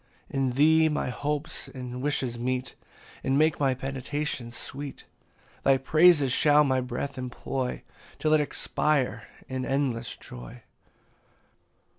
27 In thee my hopes and wishes meet, And make my meditations sweet: Thy praises shall my breath employ, Till it expire in endless joy.